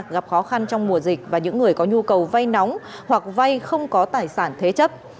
gặp khó khăn trong mùa dịch và những người có nhu cầu vay nóng hoặc vay không có tài sản thế chấp